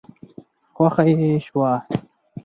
خوښه يې شوه.